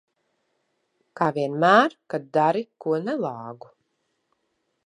Kā vienmēr, kad dari ko nelāgu.